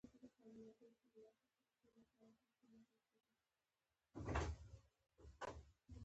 هغه پوهیږي چې بد نیتي خلک خبرې کوي.